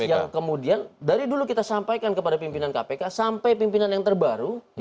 yang kemudian dari dulu kita sampaikan kepada pimpinan kpk sampai pimpinan yang terbaru